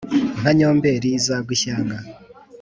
nka nyomberi izagwe ishyanga